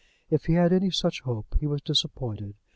If he had any such hope he was disappointed.